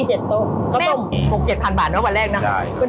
ก็ต้มสองเจ็ดพันบาทแล้ววันแรกน่ะใช่